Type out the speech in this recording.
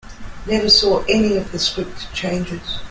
Never saw any of the script changes.